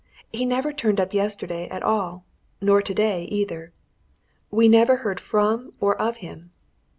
He never turned up yesterday at all nor today either we never heard from or of him.